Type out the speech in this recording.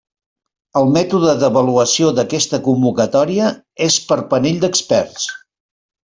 El mètode d'avaluació d'aquesta convocatòria és per panell d'experts.